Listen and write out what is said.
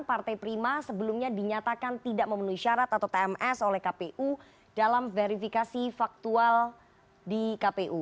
partai prima sebelumnya dinyatakan tidak memenuhi syarat atau tms oleh kpu dalam verifikasi faktual di kpu